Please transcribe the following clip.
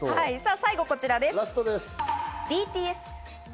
最後こちらです。